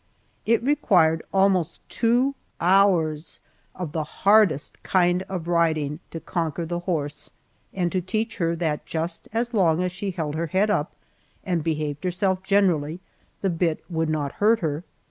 It required almost two hours of the hardest kind of riding to conquer the horse, and to teach her that just as long as she held her head up and behaved herself generally, the bit would not hurt her.